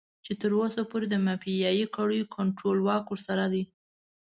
چې تر اوسه پورې د مافيايي کړيو کنټرول واک ورسره دی.